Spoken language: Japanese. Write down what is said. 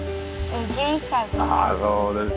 １１歳です。